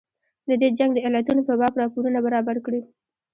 د دې جنګ د علتونو په باب راپورونه برابر کړي.